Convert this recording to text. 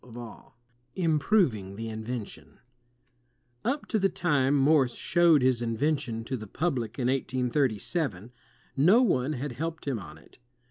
MORSE 221 Improving the Invention Up to the time Morse showed his invention to the public in 1837, no one had helped him on it.